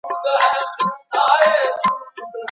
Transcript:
قلمي خط د ساینس پوهانو او پوهانو لومړنۍ وسیله وه.